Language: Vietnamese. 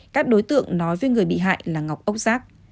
các đối tượng nói với người bị hại là ngọc ốc giác